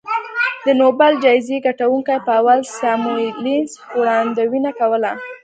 د نوبل جایزې ګټونکي پاول ساموېلسن وړاندوینه کوله